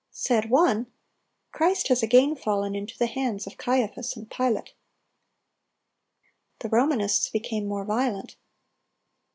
Said one, "Christ has again fallen into the hands of Caiaphas and Pilate." The Romanists became more violent.